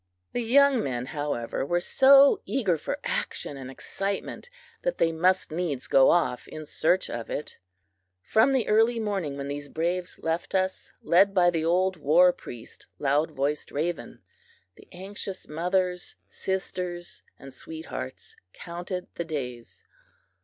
The young men, however, were so eager for action and excitement that they must needs go off in search of it. From the early morning when these braves left us, led by the old war priest, Loud Voiced Raven, the anxious mothers, sisters and sweethearts counted the days.